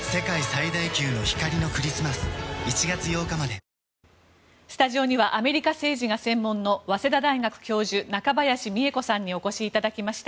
メロメロスタジオにはアメリカ政治が専門の早稲田大学教授中林美恵子さんにお越しいただきました。